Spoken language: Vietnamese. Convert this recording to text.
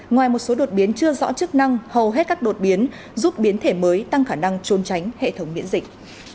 ngoài một số đột biến chưa rõ chức năng hầu hết các đột biến giúp biến thể mới tăng khả năng trôn tránh hệ thống miễn dịch